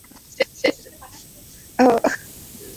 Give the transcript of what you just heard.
ওর কাজ শেষ হবার আগেই ওকে শেষ করে ফেলতে হবে।